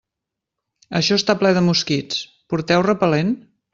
Això està ple de mosquits, porteu repel·lent?